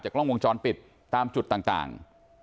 กล้องวงจรปิดตามจุดต่าง